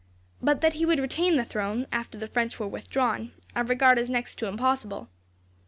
But that he would retain the throne, after the French were withdrawn, I regard as next to impossible."